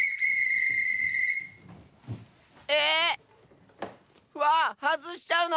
え⁉わはずしちゃうの？